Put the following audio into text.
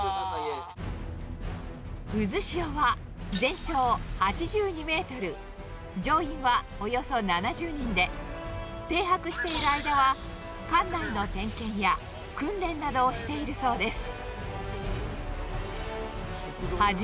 うずしおは、全長８２メートル、乗員はおよそ７０人で、停泊している間は、艦内の点検や訓練などをしているそうです。